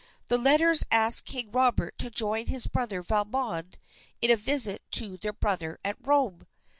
The letters asked King Robert to join his brother Valmond in a visit to their brother at Rome.